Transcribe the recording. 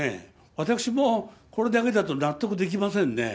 私も、これだけだと納得できませんね。